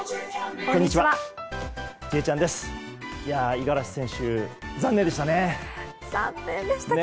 五十嵐選手、残念でしたね。